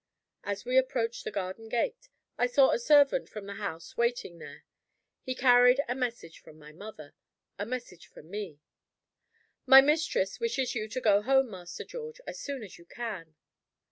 As we approached the garden gate, I saw a servant from the house waiting there. He carried a message from my mother a message for me. "My mistress wishes you to go home, Master George, as soon as you can.